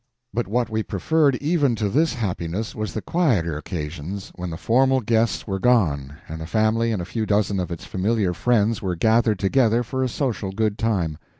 But what we preferred even to this happiness was the quieter occasions, when the formal guests were gone and the family and a few dozen of its familiar friends were gathered together for a social good time.